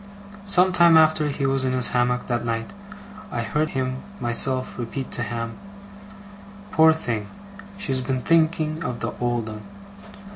Some time after he was in his hammock that night, I heard him myself repeat to Ham, 'Poor thing! She's been thinking of the old 'un!